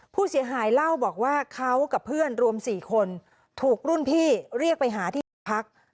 ผู้เสียหายเล่าบอกว่าเขากับเพื่อนรวม๔คนถูกรุ่นพี่เรียกไปหาที่หอพัก